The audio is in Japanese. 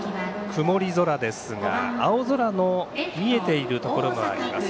曇り空ですが青空の見えているところもあります。